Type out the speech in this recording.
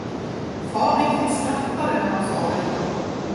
Far riktigt skrattade när han sade detta.